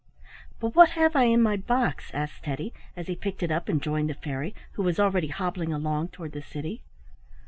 "But what have I in my box?" asked Teddy, as he picked it up and joined the fairy, who was already hobbling along toward the city.